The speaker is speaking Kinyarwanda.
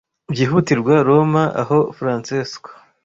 Byihutirwa: Roma aho Francesco